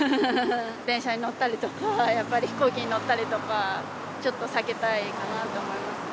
電車に乗ったりとか、やっぱり飛行機に乗ったりとかはちょっと避けたいかなと思います